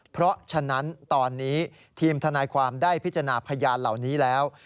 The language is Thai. เพราะฉะนั้นตอนนี้ทีมทนายความได้พิจารณาพยานเหล่านี้แล้ว